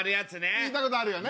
聞いたことあるよね？